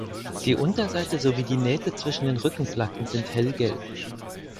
Die Unterseite sowie die Nähte zwischen den Rückenplatten sind hellgelb.